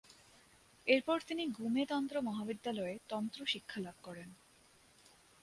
এরপর তিনি গ্যুমে তন্ত্র মহাবিদ্যালয়ে তন্ত্র শিক্ষালাভ করেন।